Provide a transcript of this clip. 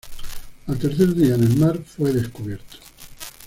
Al tercer día en el mar fue descubierto.